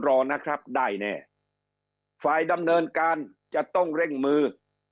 รอนะครับได้แน่ฝ่ายดำเนินการจะต้องเร่งมือ